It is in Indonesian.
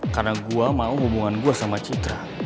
karena gue mau hubungan gue sama citra